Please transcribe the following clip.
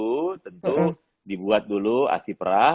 tentu dibuat dulu asi perah